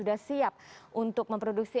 sudah siap untuk memproduksi